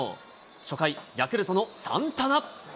初回、ヤクルトのサンタナ。